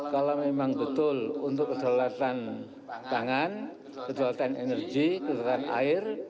kalau memang betul untuk kedaulatan pangan kedaulatan energi kedaulatan air